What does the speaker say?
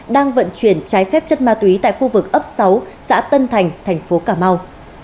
đang vận chuyển trái phép chất ma túy tại khu vực ấp sáu xã tân thành tp ca mau